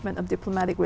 về năng lực của canada